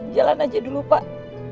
jalan aja dulu pak